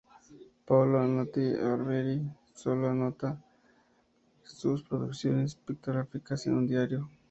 Paolo Antonio Barbieri solía anotar sus producciones pictóricas en un diario.